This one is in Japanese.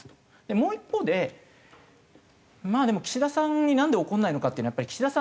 もう一方でまあでも岸田さんになんで怒らないのかっていうのはやっぱり岸田さん